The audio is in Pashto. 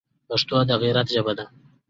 پښتو د غیرت ژبه ده